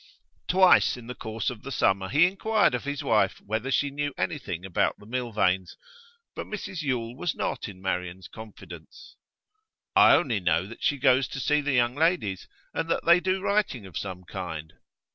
Twice in the course of the summer he inquired of his wife whether she knew anything about the Milvains. But Mrs Yule was not in Marian's confidence. 'I only know that she goes to see the young ladies, and that they do writing of some kind.